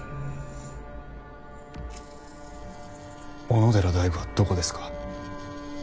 小野寺大伍はどこですか？